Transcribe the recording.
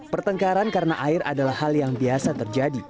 pertengkaran karena air adalah hal yang biasa terjadi